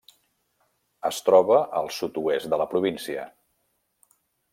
Es troba al sud-oest de la província.